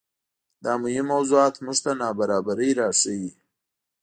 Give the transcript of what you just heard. دا مهم موضوعات موږ ته نابرابرۍ راښيي.